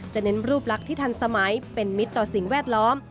เน้นรูปลักษณ์ที่ทันสมัยเป็นมิตรต่อสิ่งแวดล้อม